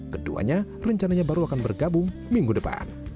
keduanya rencananya baru akan bergabung minggu depan